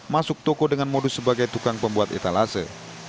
masuk toko dengan modus sebagai tukang pembuat etalase